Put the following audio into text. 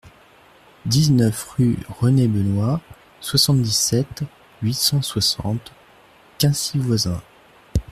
dix-neuf rue René Benoist, soixante-dix-sept, huit cent soixante, Quincy-Voisins